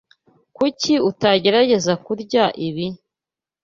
Kuki utagerageza kurya ibi?